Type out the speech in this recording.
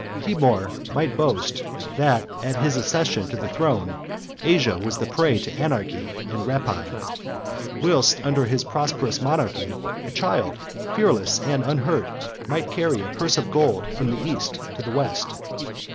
Timour might boast, that, at his accession to the throne, Asia was the prey of anarchy and rapine, whilst under his prosperous monarchy a child, fearless and unhurt, might carry a purse of gold from the East to the West.